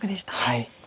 はい。